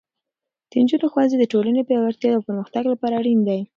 د نجونو ښوونځی د ټولنې پیاوړتیا او پرمختګ لپاره اړین دی.